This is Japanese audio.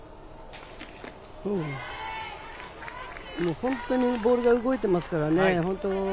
本当にボールが動いていますからね。